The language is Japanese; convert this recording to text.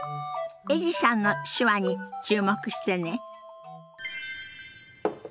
エリさんの手話に注目してね。